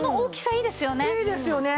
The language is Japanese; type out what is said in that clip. いいですよね。